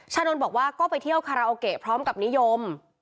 นนท์บอกว่าก็ไปเที่ยวคาราโอเกะพร้อมกับนิยม